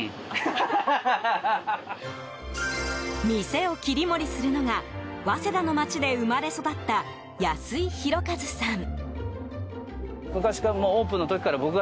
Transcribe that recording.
店を切り盛りするのが早稲田の街で生まれ育った安井浩和さん。